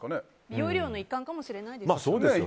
美容医療の一環かもしれないですね。